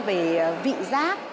về vị giác